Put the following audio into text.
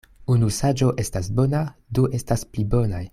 Unu saĝo estas bona, du estas pli bonaj.